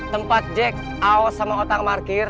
tempat jack aos sama kotang markir